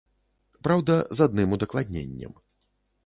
Праўда, з адным удакладненнем.